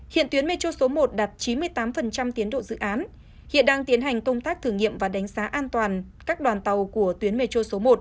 hiện tuyến metro số một đạt chín mươi tám tiến độ dự án hiện đang tiến hành công tác thử nghiệm và đánh giá an toàn các đoàn tàu của tuyến metro số một